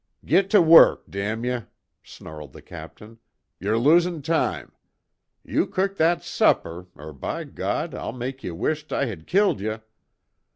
"Git to work! Damn ye!" snarled the Captain, "yer losin' time! You cook that supper, er by God I'll make ye wisht I had killed ye!